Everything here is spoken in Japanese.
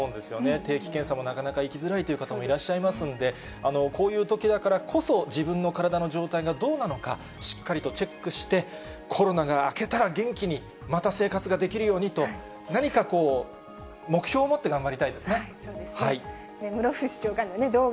定期検査もなかなか行きづらいという方もいらっしゃいますんで、こういうときだからこそ、自分の体の状態がどうなのか、しっかりとチェックして、コロナが明けたら元気にまた生活ができるようにと、何か目標を持って頑張りたいですね。